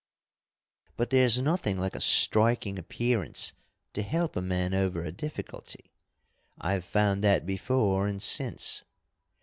"But there's nothing like a striking appearance to help a man over a difficulty, I've found that before and since.